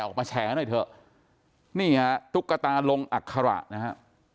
ออกมาแฉหน่อยเถอะนี่ฮะตุ๊กตาลงอัคระนะฮะ